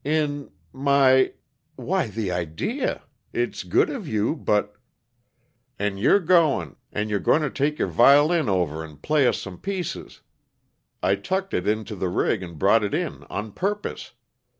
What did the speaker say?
"In my why, the idea! It's good of you, but " "And you're goin', and you're goin' to take your vi'lin over and play us some pieces. I tucked it into the rig and brought it in, on purpose.